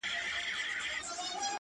اوس هغه ښکلی کابل؛